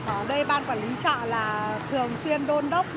ở đây ban quản lý chợ là thường xuyên đôn đốc